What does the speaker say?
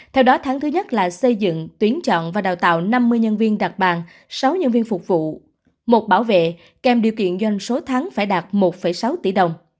theo đó tháng thứ nhất là xây dựng tuyến chọn và đào tạo năm mươi nhân viên đặt bàn sáu nhân viên phục vụ một bảo vệ kèm điều kiện doanh số tháng phải đạt một sáu tỷ đồng